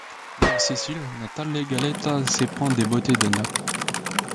Né en Sicile, Natale Galletta s'éprend des beautés de Naples.